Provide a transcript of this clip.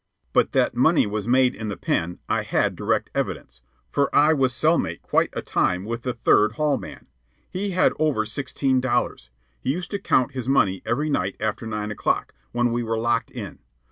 But that money was made in the Pen I had direct evidence, for I was cell mate quite a time with the Third Hall man. He had over sixteen dollars. He used to count his money every night after nine o'clock, when we were locked in.